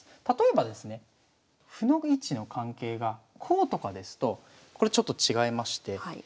例えばですね歩の位置の関係がこうとかですとこれちょっと違いまして。